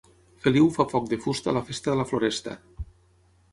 En Feliu fa foc de fusta a la festa de la Floresta.